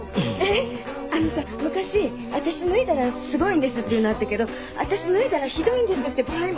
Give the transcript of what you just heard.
あのさ昔「私脱いだらすごいんです」っていうのあったけど「私脱いだらひどいんです」って場合もあるわけじゃない。